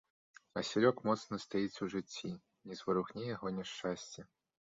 Васілёк моцна стаіць у жыцці, не зварухне яго няшчасце.